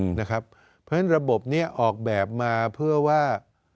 เพราะฉะนั้นระบบนี้ออกแบบมาเพื่อว่า